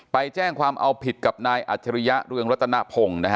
ไปแจ้งความเอาผิดกับนายอาจรุยะเรื่องรัตนภง